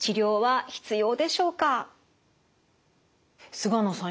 菅野さん